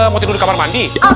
mau tidur di kamar mandi